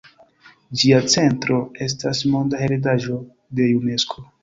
Ĝia centro estas Monda heredaĵo de Unesko.